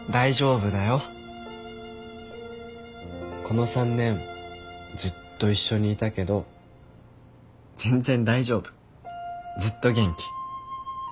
この３年ずっと一緒にいたけど全然大丈夫ずっと元気。